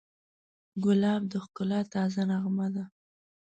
ګلاب د ښکلا تازه نغمه ده.